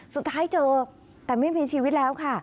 สุดท้ายเจอแต่ไม่มีชีวิตแล้วค่ะ